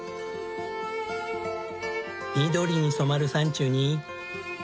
緑に染まる山中に。